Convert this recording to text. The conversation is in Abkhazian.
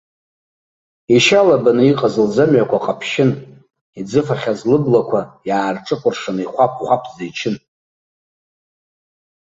Ишьалабаны иҟаз лӡамҩақәа ҟаԥшьын, иӡыфахьаз лыблақәа иаарҿыкәыршаны ихәаԥ-хәаԥӡа ичын.